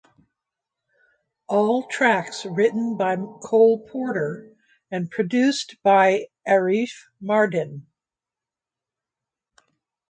All tracks written by Cole Porter and produced by Arif Mardin.